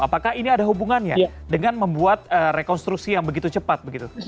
apakah ini ada hubungannya dengan membuat rekonstruksi yang begitu cepat begitu